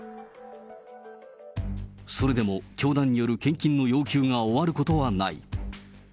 それでも教団による献金の要求が終わることはない。